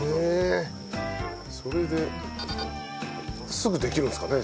すぐできるんですかね？